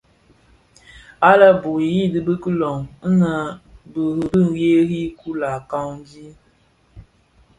Àa le bu i yii di bi kilong inë bë ri bii ghêrii kula canji.